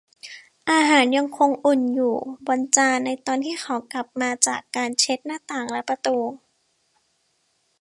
อาหารยังคงอุ่นอยู่บนจานในตอนที่เขากลับมาจากการเช็คหน้าต่างและประตู